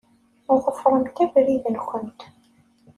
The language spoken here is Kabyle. Ḍefṛemt abrid-nkent.